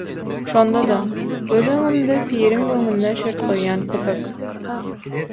Şonda-da… göz öňümde piriň öňünde şert goýýan kopek: